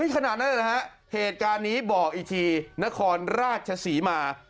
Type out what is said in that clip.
ขนาดนั้นนะฮะเหตุการณ์นี้บอกอีกทีนครราชศรีมา